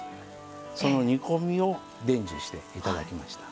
その煮込みを伝授していただきました。